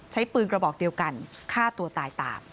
ใช้ปืนกระบอกเดียวกันฆ่าตัวตายตาม